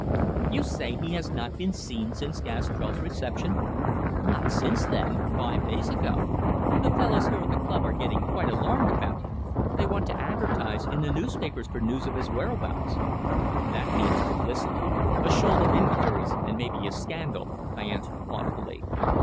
"You say he has not been seen since Gastrell's reception?" "Not since then five days ago. The fellows here at the club are getting quite alarmed about him they want to advertise in the newspapers for news of his whereabouts." "That means publicity, a shoal of inquiries, and maybe a scandal," I answered thoughtfully.